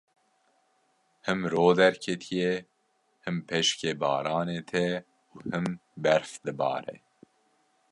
Him ro derketiye, him peşkê baranê tê û him berf dibare.